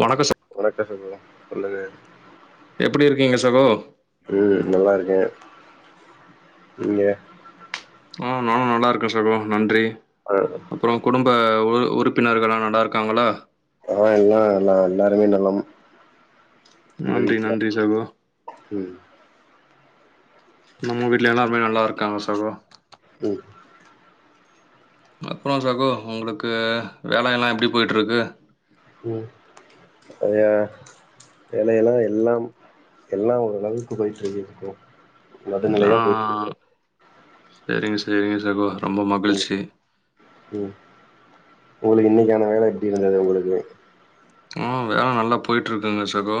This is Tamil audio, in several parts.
வணக்கம் ச வணக்கம் சகோ சொல்லுங்க எப்படி இருக்கீங்க சகோ? ம் நல்லா இருக்கே நீங்க ஆ நானும் நல்லா இருக்க சகோ நன்றி [unintelligible] அப்புற குடும்ப உ உறுப்பினர்களா நல்லாருக்காங்களா ஆ எல்லா எல்லா எல்லாருமே நலம் ஒங்க நன்றி, வீட்ல நன்றி சகோ. ம் நம்ம வீட்ல எல்லோருமே நல்லா இருக்காங்க சகோ ம் அப்பறோ சகோ உங்களுக்கு வேலயெல்லா எப்டி போய்டிருக்கு ம் அது ஏ வேலையெல்லா எல்லாம் எல்லா ஓரளவுக்கு போய்ட்ருக்கு ப்ரோ இதல்லா செரிங்க செரிங்க சகோ ரொம்ப இருக்கு ம் மகிழ்ச்சி ம் உங்களுக்கு இன்னிக்கான வேல எப்டி இருந்தது உங்களுக்கு ம் வேல நல்லா போய்ட்ருக்குங்க சகோ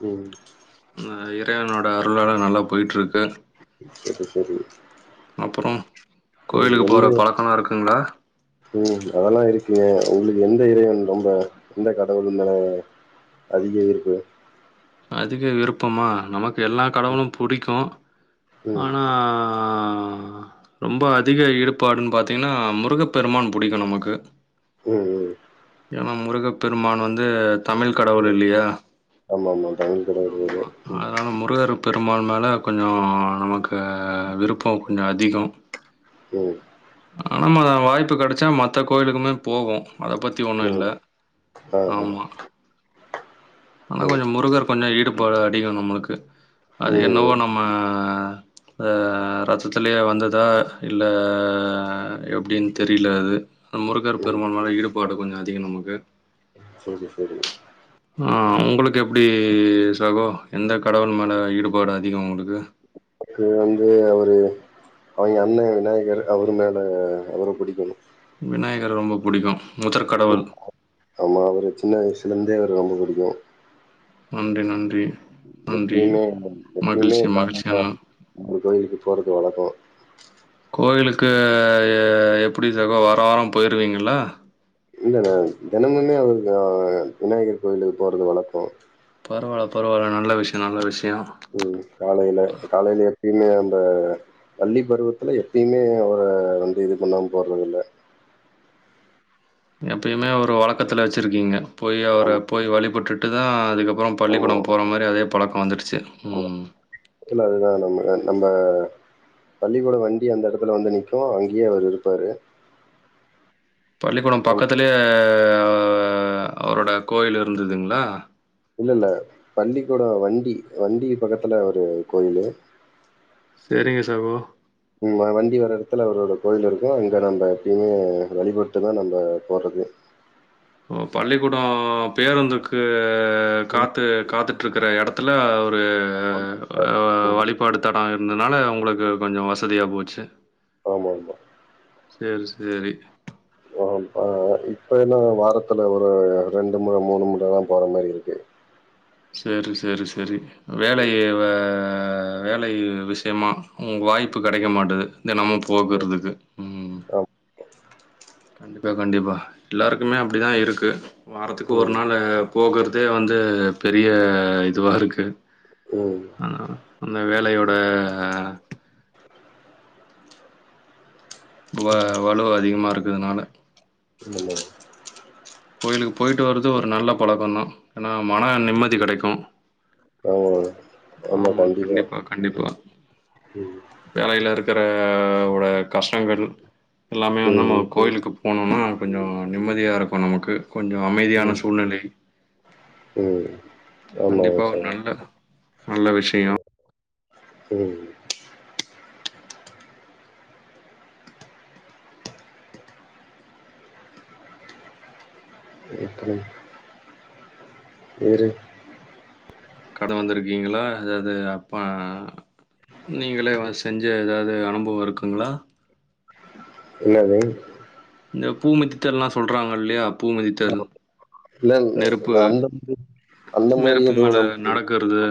ம் இறைவனோட அருளால நல்லா போய்ட்டுருக்கு செரி செரி அப்றோ கோவிலுக்கு போற பழக்கல்லா இருக்குங்ளா ம் அதெல்லா இருக்கு உங்களுக்கு எந்த இறைவன் ரொம்ப எந்த கடவுள் மேல அதிக ஈர்ப்பு அதிக விருப்பமா நமக்கு எல்லா கடவுளு புடிக்கு ம் ம் ஆனா ஆ ரொம்ப அதிக ஈடுபாடுன்னு பாத்தீங்கனா முருகப்பெருமான் புடிக்கு நமக்கு ம் ம் ஏன்னா முருகப்பெருமான் வந்து தமிழ் கடவுள் இல்லையா ஆமா ஆமா தமிழ் கடவுள் இருக்கு ஆமா அதனால முருகரு பெருமான் மேலே கொஞ்சோ நமக்கு விருப்போ கொஞ்ச அதிகோ ம் ஆமா அத வாய்ப்பு கிடச்சா மத்த கோயிலுக்குமே போகு அத பத்தி ஒன்னு இல்ல ம் ஆ ஆ ஆமா ஆனா ம் கொஞ்சோ முருகர் கொஞ்சோ ஈடுபாடு அதிகோ நம்ளுக்கு அது என்னவோ ம் ம் நம்ம ஆ அ ரத்தத்திலயே வந்ததா இல்ல ஆ எப்டின் தெரில அது முருகர் ம் பெருமான் மேலே ஈடுபாடு கொஞ்ச அதிகம் நமக்கு செரி செரி ஆ உங்களுக்கு எப்டி சகோ எந்த கடவுள் மேல ஈடுபாடு அதிகம் உங்களுக்கு எனக்கு வந்து அவரு அவிங்க அண்ணன் விநாயகரு அவர் மேல அவர புடிக்கு விநாயகர ரொம்ப புடிக்கு ம் முதற்கடவுள் ஆமா அவரு சின்ன வயசுலேந்தே அவர ரொம்ப புடிக்கு நன்றி நன்றி நன்றி. எப்பிமே மகிழ்ச்சி இந்த மகிழ்ச்சி நா அண்ணா. கோயிலுக்கு போறது வழக்கோ கோவிலுக்கு ஆ எப்டி சகோ வாரா வாரம் போயிருவீங்கல்ல இல்லண்ணே தெனமுமே அவருக்கு விநாயகர் கோயிலுக்கு போறது வழக்கம் பரவால்ல பரவால்ல நல்ல விஷய நல்ல விஷயம் ம் காலைல காலைல எப்பயுமே அந்த பள்ளி பருவத்துல எப்பயுமே அவர வந்து இது பண்ணாம போறது இல்ல எப்பயுமே ஒரு வழக்கத்துல வச்சுருக்கீங்க போய் அவர ஆமா போய் வழிபட்டுட்டு தா அதுக்கப் பறோ ஆமா. பள்ளிக்கூடம் போற மாரி அதே பழக்கம் வந்துடுச்சு ம் இல்ல அதுதா நம்ம நம்ம பள்ளிக்கூட வண்டி அந்த இடத்துல வந்து நிக்கு அங்கயே அவர் இருப்பாரு பள்ளிக்கூடம் நம் பக்கத்துலயே ஆ அவரோட கோயில் இருந்துதுங்ளா இல்லல்ல பள்ளிக்கூடம் வண்டி வண்டி பக்கத்துல ஒரு கோயிலு சேரிங்க சகோ ம் வண்டி வர எடத்துல அவரோட கோயில் இருக்கும் அங்கே நம்ம எப்பயுமே வழிபட்டு தா நம்ம போறது ஓ பள்ளிக்கூடம் பேருந்துக்கு ம். காத்து காத்துட்டு இருக்கற இடத் இதெல்லா ஒரு வழிபாடு தா நான் இருந்தனால உங்களுக்கு கொஞ்சோ வசதியா போச்சு. ஆமாங் சார் சேரி சேரி ஆ ஆ இப்பல்லாம் வாரத்துல ஒரு ரெண்டு முற மூணு முற தா போற மாரி இருக்கு சேரி சேரி சேரி வேலையவ வேலை விஷயமா உங்க வாய்ப்பு கிடைக்க மாட்டுது தினமு போகுறதுக்கு அப் கண்டிப்பாக கண்டிப்பாக எல்லோருக்குமே அப்டி தான் இருக்கு வாரத்துக்கு ஒரு ம் நாள் போகுறதே வந்து பெரிய இதுவாக இருக்கு ம் ஆ அந்த வேலையோட வ வலுவ அதிகமா இருக்கறதுனால உள்ள இல்ல கோயிலுக்கு போய்ட்டு வருது ஒரு நல்ல பழக்கம் தான் ஆனா மன நிம்மதி கிடைக்கும் ஆமா ஆமா கண்டிப்பா கண்டிப்பா ம் வேலையில இருக்கிற ஓட கஷ்டங்கள் எல்லாமே வந்து ம் ம் கோயிலுக்கு போனோம்னா கொஞ்சோ நிம்மதியா இருக்கும் நமக்கு. கொஞ்சோ அமைதியான ம் சூழ்நிலை. ம் ஆமா கண்டிப்பா ஒரு சகோ நல்ல நல்ல அ விஷயம். ம் எப்டி இரு கட வந்திருக்கீங்களா அதாவது அப்பா நீங்களே வ செஞ்சு ஏதாது அனுபவம் இருக்குங்களா இல்லவை இந்த பூ மிதித்தல்லா சொல்றாங்க இல்லையா பூ மிதித்தல் இல்ல இல்ல நெருப்பு அந்த மாதிரி அந்த மாரி நெருப்பு எதுவு மேல நம் நடக்கிறது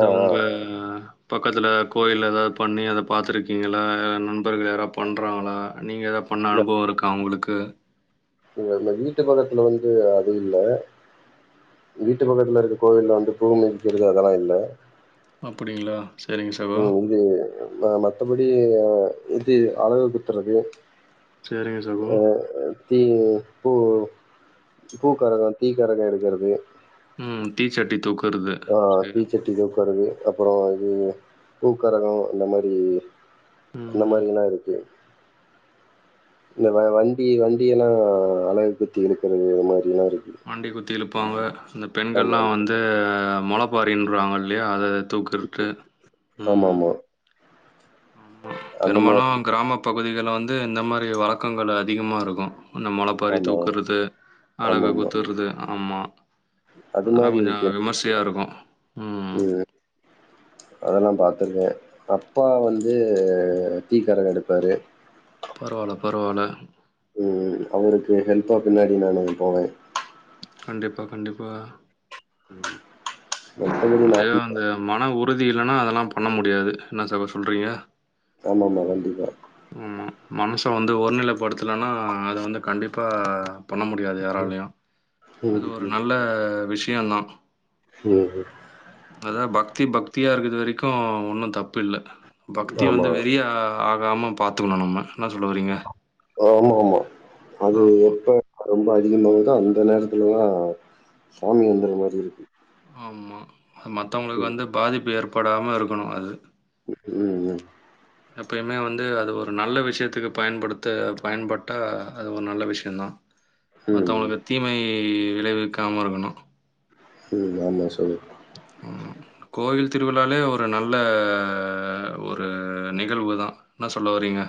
ஆ ஆ உங்க பக்கத்தில் கோயில எதாவது பண்ணி அத பார்த்துருக்கீங்களா நண்பர்கள் யாராவது பண்ணுறாங்களா நீங்க ஏதாது பண்ண அனுபவம் இருக்கா உங்களுக்கு நீங்க இந்த வீட்டு பக்கத்துல வந்து அது இல்ல. வீட்டு பக்கத்தில் இருக்க கோவிலில் வந்து பூமிதிக்குறது அதெல்லாம் இல்ல அப்டிங்களா சரிங்க சகோ ம் இது ம மத்தபடி இது அழகு குத்துறது சரிங்க சகோ அ தீ பூ பூக்காரங்க தீக்காரங்க எடுக்கறது ம் தீ சட்டி தூக்கு ஆ தீச்சட்டி தூக்குறது அப்பறோ இது பூக்காரங்க இந்த மாரி இந்த ம் மாரில்லாம் இருக்கு இந்த வ வண்டி வண்டியெல்லாம் அழகு குத்தி இழுக்கிறது மாரிலாம் இருக்குது. வண்டி குத்தி இழுப்பாங்க இந்த பெண்கள்லா வந்து மோளப்பாரின்றவாங்க இல்லையா அதை தூக்கறது ம் ஆமாமா. ம் அந்த மாரி பெரும்பாலு கிராம பகுதிகள வந்து இந்த மாரி வழக்கங்கள் அதிகமா இருக்கு இந்த முளப்பாறி ஆமா. தூக்குறது அலகு ஆமாமா. குத்துறது ஆமா அது அதல்லா மாரி கொஞ்சோ விமர்சையா இருக்கும் ம் என்ன அதெல்லாம் பாத்துருக்கே அப்பா வந்து தீக்கரகம் எடுப்பாரு பரவால்ல பரவால்ல ம் ம் அவருக்கு ஹெல்ப்பா பின்னாடி நானு போவே கண்டிப்பா கண்டிப்பா உம் அது அந்த மன உறுதி இல்லைன்னா அதெல்லாம் பண்ண முடியாது என்ன சகோ சொல்றீங்க ஆமா ஆமா கண்டிப்பா ஆமா மனச வந்து ஒரு நிலைப்படுத்தலைன்னா அத வந்து கண்டிப்பா பண்ண முடியாது யாராலயு ம், அது ஒரு ம், நல்ல விஷயந்தா ம் ஹு அதா பக்தி பக்தியா இருக்குது வரைக்கும் ஒன்னும் தப்பு இல்ல பக்தி ஆமா. வந்து வெறியா ஆ காம பாத்துக்கணு நம்ம என்ன சொல்ல வரீங்க ஆமா ஆமா அது ஆமா, எப்ப ரொம்ப அதிகமாயிதா அந்த நேரத்துல தா சாமி வந்துற மாரி இருக்கு ஆமா அது மத்தவங்களுக்கு ம், வந்து பாதிப்பு ஏற்படாம இருக்கணு அது ம் ம் எப்பயுமே வந்து அது ஒரு நல்ல விஷயத்துக்கு பயன்படுத்த பயன்பட்டா அது ஒரு நல்ல விஷயந்தா ம், மத்தவங்களுக்கு தீமை விளைவிக்காம இருக்கணு ம் ஆமா சகோ ம் கோவில் திருவிழாலே ஒரு நல்ல ஒரு நிகழ்வு தா என்ன சொல்ல வரீங்க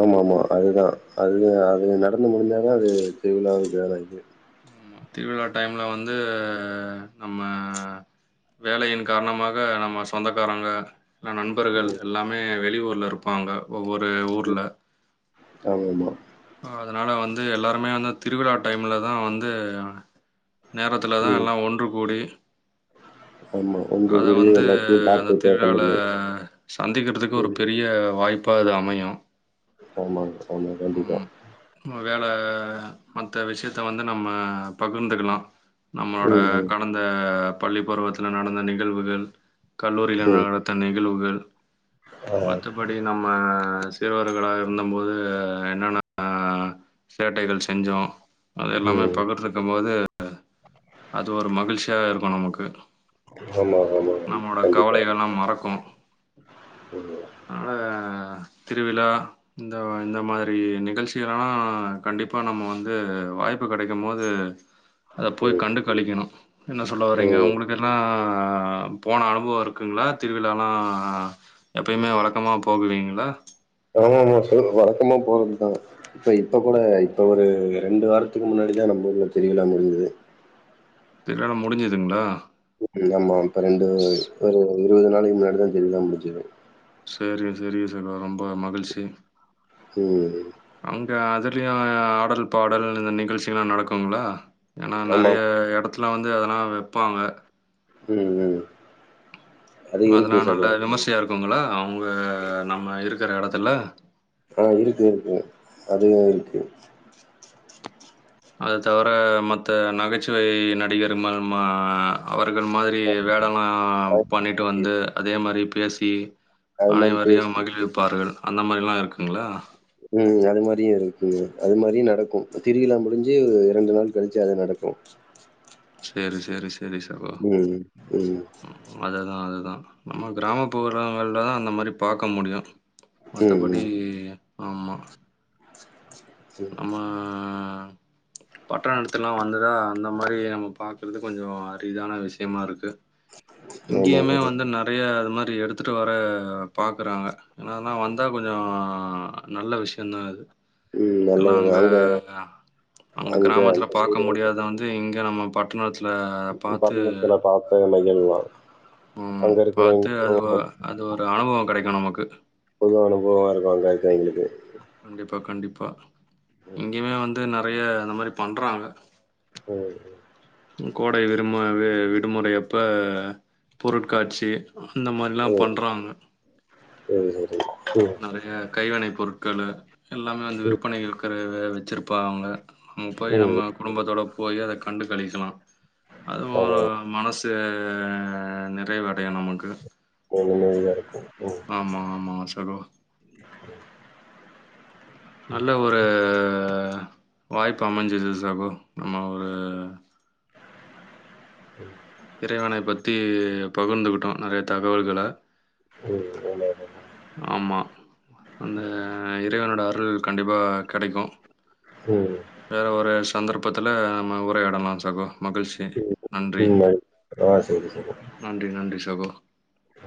ஆமா ஆமா அதுதா அது அது நடந்து முடிஞ்சாதா அது திருவிழா ஜோரா இக்கு ஆமா. திருவிழா டைம்ல வந்து நம்ம வேலையின் காரணமாக நம்ம சொந்தக்காரங்க ந நண்பர்கள் ம். எல்லாமே வெளி ஊர்ல இருப்பாங்க ஒவ்வொரு ஊர்ல ஆமாமா. அதனால வந்து எல்லாருமே வந்து திருவிழா டைம்லதா வந்து நேரத்துலதா ம். எல்லா ஒன்று கூடி ஆமா. ஒன்று அதை கூடி வந்து எல்லாத்தையும் அந்த பார்த்து பேச திருவிழால முடியும். சந்திக்கிறதுக்கு ஒரு ம். பெரிய வாய்ப் ப்பா அது அமையு ஆமாம் சகோ கண்டிப்பா நம்ம வேலை மத்த விஷயத்த வந்து நம்ம பகிர்ந்துக்கனு நம்மளோட ம், ம், கடந்த பள்ளி பருவத்துல நடந்த நிகழ்வுகள் கல்லூரியில ம், நட த்த நிகழ்வுகள் மத்த படி நம்ம சிறுவர்களாக இருந்தம்போது என்னன்னா அ சேட்டைகள் செஞ்சோ அது எல்லாமே ம். பக்கத்துல இருக்கும்போது அது ஒரு மகிழ்ச்சியாக இருக்கும் நமக்கு ஆமா, ஆமா. நம்மளோட கவலைகலெல்லா மறக்கு உஹ அனால திருவிழா இந்த இந்த மாதிரி நிகழ்ச்சி களலா கண்டிப்பா நம்ம வந்து வாய்ப்பு கெடைக்கும் போது அத போய் ம் கண்டு கழிக்கிணு என்ன சொல்ல வரீங்க ம். அவுங்களுக்கு பெர்னா போன அனுபவொ இருக்குங்ளா திருவிழால்லா எப்பயுமே வழக்கமா போகுவீங்ளா ஆமா ஆமா ஸோ வழக்கமா போறதுதா இப்ப இப்ப கூட இப்ப ஒரு ரெண்டு வாரத்துக்கு முன்னாடி தா நம்ம ஊர் திருவிழா முடிஞ்சது திருவிழாலா முடிஞ்சுதுங்ளா ஆமா இப்ப ரெண்டு ஒரு இருவது நாளக்கி முன்னாடிதா திருவிழா முடிஞ்சது சேரிக சேரிக சகோ ரொம்ப மகிழ்ச்சி ம் அங்கே அதுலேயு ஆடல் பாடல் இந்த நிகழ்ச்சிங்கலா நடக்குங்ளா ஏன்னா ஆமா. நறைய எடத்துல வந்து அதெல்லா வெப்பாங்க ம் ம் அது அதெல்லா இருக்கு நல்ல சகோ. விமர்சையா இருக்குங்களா அவுங்க நம்ம இருக்குற எடத்துல ஆ இருக்கு இருக்கூ அதுவு இருக்கு அதத் தவர மத்த நகைச்சுவை நடிகரு மல்மா அவர்கள் மாதிரி வேடொல்லா பண்ணிட்டு வந்து அதே மாரி பேசி அது மாரி பேசி அனைவரையும் மகிழ்விப்பார்கள் அந்த மாரில்லா இருக்குங்ளா ம் அது மாரியு இருக்குங்க அது மாரியு நடக்கூ திருவிழா முடிஞ்சி ரெண்டு நாள் கழிச்சி அது நடக்கும் செரி செரி செரி சகோ ம், ம் அததுதா அதுதா நம்ம கிராமப்புறங்களதா அந்த மாரி பாக்க முடியு ம், மத்தபடி ம். ஆமா [inaudible] நம்ம பட்டணத்துலலா வந்துதா அந்த மாரி நம்ம பாக்குறது கொஞ்சோ அரிதான விஷயமாருக்கு ஆமா இங்கேயுமே சகோ. வந்து நறைய அது மாரி எடுத்துட்டு வர பாக்குறாங்க என்னதுனா வந்தா கொஞ்சோ நல்ல விஷயந்தா அது ம் எல்லா நல்லதுதான். அங்க அங்க கிராமத்துல அந்த சைடு பாக்க முடியாத வந்து இங்க நம்ம பாதா பட்ணத்துல [unintelligible] ம். அங்க இருக்கிற பாத்து எங்க அது ஒ அது ஒரு [unintelligible] அனுபவம் கெடைக்கும் நமக்கு. புது அனுபவமா இருக்கூ அங்க இருக்குறவுங்களுக்கு கண்டிப்பா கண்டிப்பா இங்கேயுமே வந்து நறைய இந்த மாரி பண்றாங்க [unintelligible] கோடை விருமு விடுமுறையப்ப பொருட்காட்சி அந்த மாரிலாம் ம் பண்றாங்க சரி சரி நறைய கைவினை பொருட்களு எல்லாமே வந்து ம் விற்பனைகள் இருக்கிற வச்சுருப்பாங்க நம்ம போய் ம் நம்ம ம் குடும்பத்தோட போய் அத கண்டு கழிக்கலா அதுவு ஆமா மனசு நெறைவடையு நமக்கு [unintelligible] ம் ஆமா ஆமா சகோ நல்ல ஒரு வாய்ப்பு அமஞ்சிது சகோ நம்ம ஒரு ம் இறைவனை பத்தி பகிர்ந்துக்கிட்டோ நெறைய தகவல்கள ம் என்னது ஆமா அந்த இறைவனோட அருள் கண்டிப்பா கெடைக்கு ம் வேற ஒரு சந்தர்ப்பத்துல நம்ம உரையாடலா சகோ மகிழ்ச் ம் ம் பாய் ஆ சரி சரி நன்றி நன்றி சகோ ம்